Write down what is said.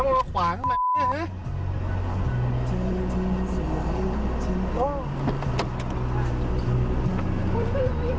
แล้วมันก็ขวางไหม